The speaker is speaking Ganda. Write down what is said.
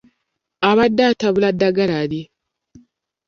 Abadde atabula ddagala lye.